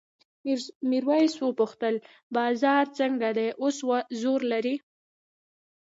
میرويس وپوښتل بازار څنګه دی اوس زور لري؟